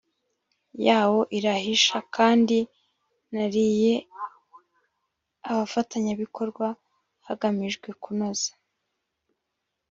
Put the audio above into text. yawo irahisha kandi nariy abafatanyabikorwa hagamijwe kunoza